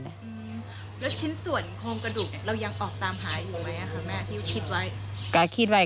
แล้วชิ้นส่วนโครงกระดูกเรายังออกตามหาอยู่ไหมคะแม่ที่คิดไว้